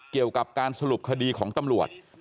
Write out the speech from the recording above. เกี่ยวกับการสรุปคดีของตำรวจ